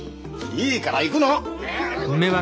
いいから行くの！